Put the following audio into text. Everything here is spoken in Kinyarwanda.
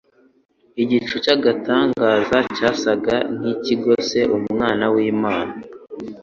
Igicu cy'agatangaza cyasaga n'ikigose Umwana w'Imana,